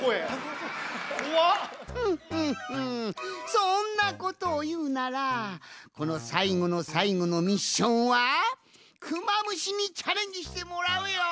そんなことをいうならこのさいごのさいごのミッションはクマムシにチャレンジしてもらうよん！